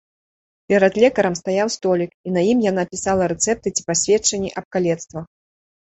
Перад лекарам стаяў столік, і на ім яна пісала рэцэпты ці пасведчанні аб калецтвах.